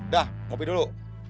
dah kopi dulu